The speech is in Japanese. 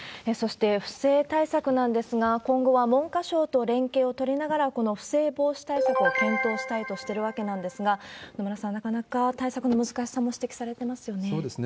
そして不正対策なんですが、今後は文科省と連携を取りながら、この不正防止対策を検討したいとしているわけなんですが、野村さん、なかなか対策の難しさも指摘されてますよね。